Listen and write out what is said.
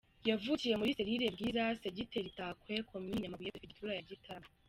Yavukiye muri serire Bwiza, Segiteri Takwe, Komini Nyamabuye, Perefegitura ya Gitarama